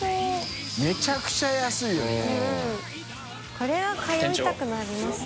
これは通いたくなりますね。